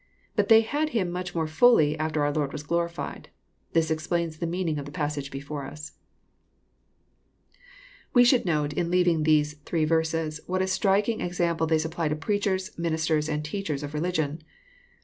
But they had Him much more fully, after our Lord was glorified. This explains the meaning of the passage before tis7 We should note, in leaving these three verses, what a striking example they supply to preachers, ministers, and teachers of religion.